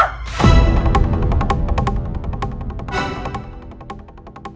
kamu selamat babak dua selamat babak dua selamat tengah